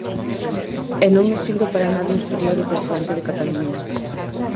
E non me sinto para nada inferior ao presidente de Cataluña.